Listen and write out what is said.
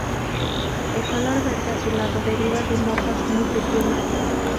El color verde azulado deriva de motas muy pequeñas.